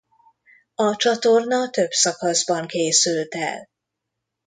A csatorna több szakaszban készült el.